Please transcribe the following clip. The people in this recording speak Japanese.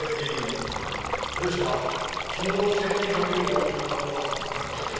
ですが千二百両もの負担はとても。